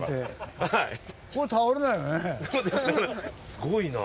すごいな。